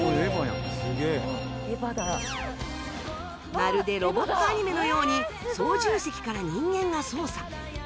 まるでロボットアニメのように操縦席から人間が操作